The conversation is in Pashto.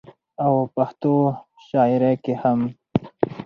او پښتو شاعرۍ کې هم